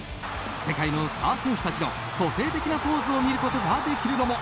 世界のスター選手たちの個性的なポーズを見ることができるのも